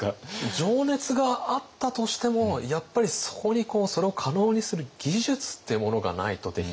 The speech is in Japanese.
情熱があったとしてもやっぱりそこにそれを可能にする技術ってものがないとできない。